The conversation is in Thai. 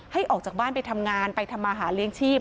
ออกจากบ้านไปทำงานไปทำมาหาเลี้ยงชีพ